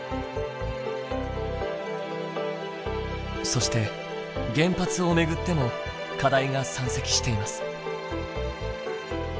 そして原発を巡っても課題が山積しています。